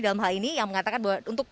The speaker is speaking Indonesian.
dalam hal ini yang mengatakan bahwa untuk